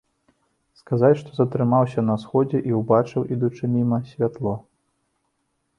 Сказаць, што затрымаўся на сходзе і ўбачыў, ідучы міма, святло.